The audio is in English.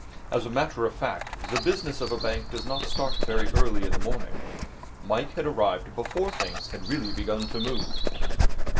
As a matter of fact, the business of a bank does not start very early in the morning. Mike had arrived before things had really begun to move.